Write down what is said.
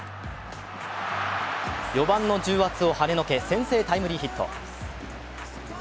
４番の重圧をはねのけ先制タイムリーヒット。